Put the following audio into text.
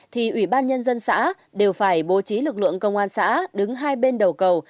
thì ủy ban nhân dân xã đều phải bố trí lực lượng công an xã đứng hai bên đầu cầu